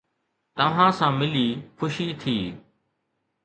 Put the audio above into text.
توهان سان ملي خوشي ٿي